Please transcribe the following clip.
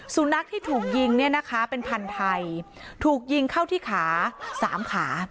สุนัขที่ถูกยิงเนี่ยนะคะเป็นพันธุ์ไทยถูกยิงเข้าที่ขาสามขา